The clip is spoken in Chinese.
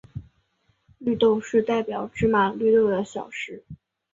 绿豆是代表芝麻绿豆的小事。